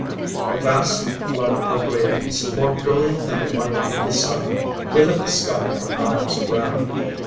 A vast flood of radiance, more brilliant than the light of the sun, lit up the sky for miles around.